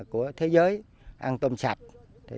của thế giới ăn tôm sạch